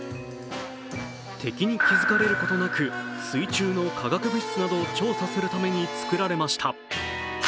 敵に気づかれることなく、水中の化学物質などを調査するために作られました。